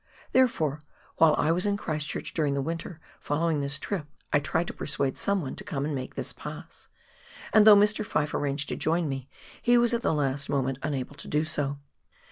Therefore, while I was in Christ church during the winter following this trip, I tried to persuade someone to come and make this pass, and though Mr. Fyfe arranged to join me, he was at the last moment unable to do so.